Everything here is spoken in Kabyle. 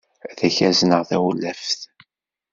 Ad k-azneɣ tawlaft.